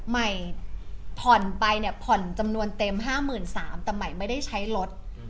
ไหมผ่อนไปเนี่ยผ่อนจำนวนเต็ม๕๓๐๐๐แต่ไม่ได้ใช้รถมาเดือนหนึ่งแล้ว